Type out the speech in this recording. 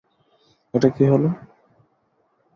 এটা কি হল?